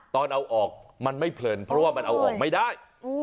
ตอนเอาออกมันไม่เพลินเพราะว่ามันเอาออกไม่ได้